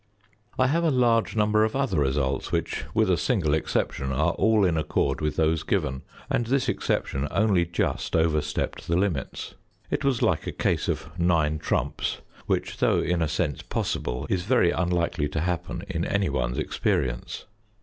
I have a large number of other results which with a single exception are all in accord with those given; and this exception only just overstepped the limits. It was like a case of nine trumps, which though in a sense possible, is very unlikely to happen in any one's experience.